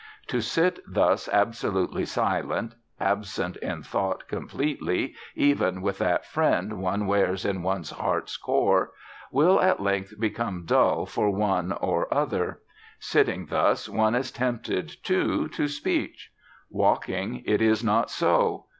To sit thus absolutely silent, absent in thought completely, even with that friend one wears in one's heart's core, will at length become dull for one or other; sitting thus one is tempted, too, to speech. Walking, it is not so.